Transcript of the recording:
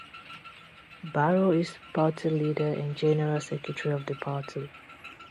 Barrow is party leader and general secretary of the party.